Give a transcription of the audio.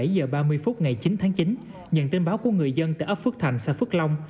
bảy giờ ba mươi phút ngày chín tháng chín nhận tin báo của người dân tại ấp phước thành xã phước long